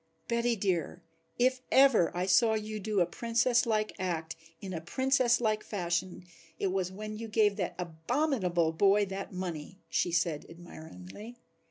"Betty dear, if ever I saw you do a Princess like act in a Princess like fashion it was when you gave that abominable boy that money," she said admiringly.